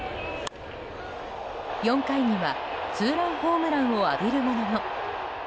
４回にはツーランホームランを浴びるものの。